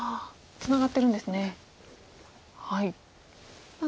ツナがってるんですね。